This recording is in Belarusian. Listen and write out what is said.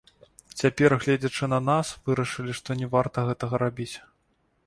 Цяпер, гледзячы на нас, вырашылі, што не варта гэтага рабіць.